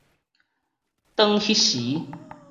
轉那時